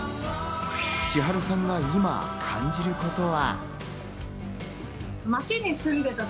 千春さんが今、感じることは。